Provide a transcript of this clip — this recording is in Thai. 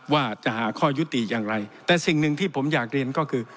ว่าจะหาข้อยุติอย่างไรแต่สิ่งหนึ่งที่ผมอยากเรียนก็คือ